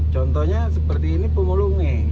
contohnya seperti ini pemulungi